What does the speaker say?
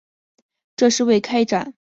这是为开展文革准备的组织措施。